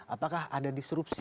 apakah ada disrupsi